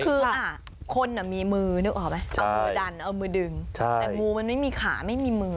คือคนมีมือนึกออกไหมเอามือดันเอามือดึงแต่งูมันไม่มีขาไม่มีมือ